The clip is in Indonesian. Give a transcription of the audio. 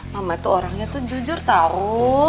mama tuh orangnya tuh jujur tahu